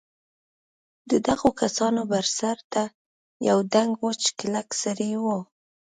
د دغو کسانو بر سر ته یوه دنګ وچ کلک سړي و.